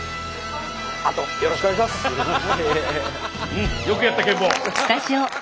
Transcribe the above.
うんよくやったケン坊。